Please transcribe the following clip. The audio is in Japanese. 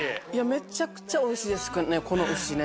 めちゃくちゃおいしいですねこの牛ね。